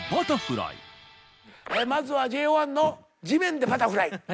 まずはＪＯ１の地面でバタフライ。